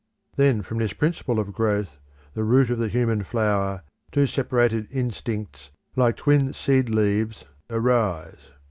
Then from this principle of growth, the root of the human flower, two separated instincts like twin seed leaves arise.